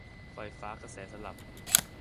ไฟฟ้ากระแสสลับ